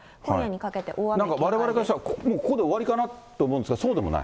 われわれからしたらもうここで終わりかなと思うんですが、そうでもない？